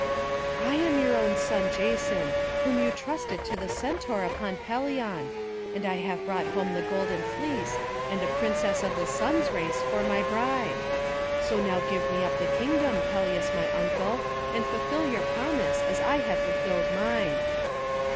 "I am your own son Jason, whom you trusted to the Centaur upon Pelion; and I have brought home the golden fleece, and a princess of the Sun's race for my bride. So now give me up the kingdom, Pelias my uncle, and fulfil your promise as I have fulfilled mine."